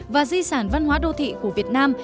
và di sản văn hóa đô thị của việt nam